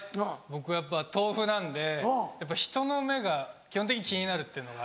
僕やっぱ豆腐なんで人の目が基本的に気になるっていうのが。